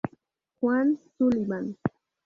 Juan Sullivan.